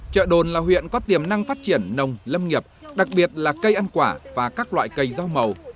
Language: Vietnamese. chợ đồn là huyện có tiềm năng phát triển nông lâm nghiệp đặc biệt là cây ăn quả và các loại cây rau màu